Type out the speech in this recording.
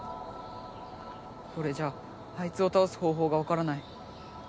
これじゃあいつをたおす方法がわからない。